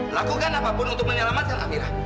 lakukan apapun untuk menyelamatkan amira